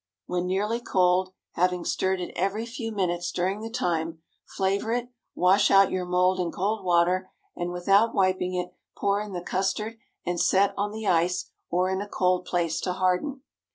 When nearly cold, having stirred it every few minutes during the time, flavor it, wash out your mould in cold water, and without wiping it, pour in the custard and set on the ice or in a cold place to harden.